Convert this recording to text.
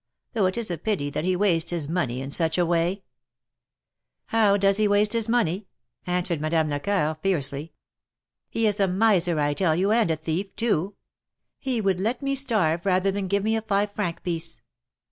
Though it is a pity that he wastes his money in such a way !" How does he waste his money ?" answered Madame Lecoeur, fiercely. " He is a miser, I tell you, and a thief, too. He would let me starve rather than give me a five franc piece.